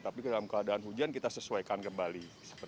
tapi dalam keadaan hujan kita sesuaikan kembali